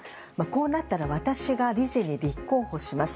こうなったら私が理事に立候補します。